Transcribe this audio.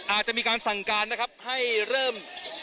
อาจจะมีการสั่งการนะครับให้เริ่ม